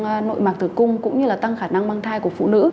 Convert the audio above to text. tăng nội mạc tử cung cũng như là tăng khả năng băng thai của phụ nữ